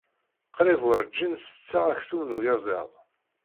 Qrib werǧin setteɣ aksum n uyaziḍ.